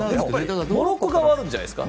モロッコ側はあるんじゃないですか。